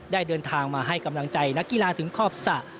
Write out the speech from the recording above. เดินทางมาให้กำลังใจนักกีฬาถึงขอบสระ